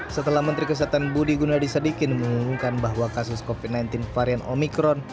setelah menteri kesehatan budi gunadisadikin mengumumkan bahwa kasus covid sembilan belas varian omikron